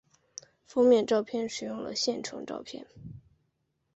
封面照片使用了现成照片。